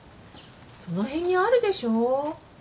その辺にあるでしょ。